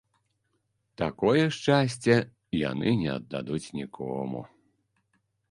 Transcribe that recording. Такое шчасце яны не аддадуць нікому.